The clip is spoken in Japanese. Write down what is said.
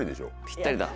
ぴったりだ。